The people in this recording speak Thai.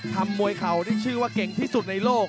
มวยเข่าที่ชื่อว่าเก่งที่สุดในโลก